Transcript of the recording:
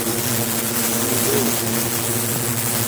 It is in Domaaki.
گُولیس